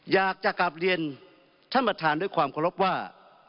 อยากจะกลับเรียนท่านประธานด้วยความเคารพว่า